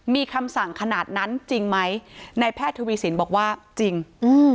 มีคำสั่งขนาดนั้นจริงไหมในแพทย์ทวีสินบอกว่าจริงอืม